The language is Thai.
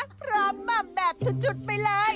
พร้อมมาแบบชุดไปเลย